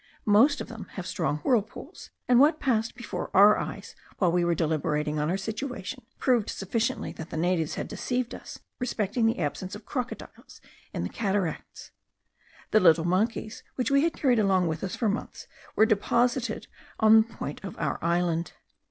Most of them have strong whirlpools, and what passed before our eyes while we were deliberating on our situation, proved sufficiently that the natives had deceived us respecting the absence of crocodiles in the cataracts. The little monkeys which we had carried along with us for months were deposited on the point of our island.